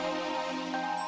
mbak tisna bucket ke rwanda